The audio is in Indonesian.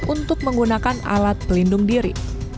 untuk menggunakan alat pelindung diri